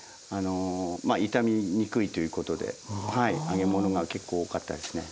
傷みにくいということで揚げ物が結構多かったですね。